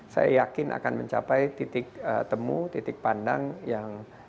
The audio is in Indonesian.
saya yakin akan mencapai titik temu titik pandang yang